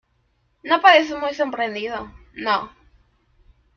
no pareces muy sorprendido, no.